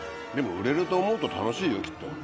でも売れると思うと楽しいよきっと。